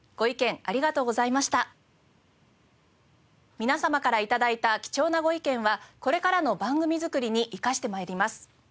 皆様から頂いた貴重なご意見はこれからの番組作りに生かしてまいります。